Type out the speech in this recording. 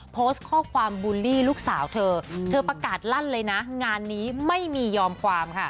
โพสต์ข้อความบูลลี่ลูกสาวเธอเธอประกาศลั่นเลยนะงานนี้ไม่มียอมความค่ะ